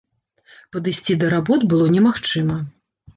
Падысці да работ было немагчыма.